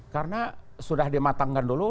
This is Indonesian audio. karena sudah dimatangkan dulu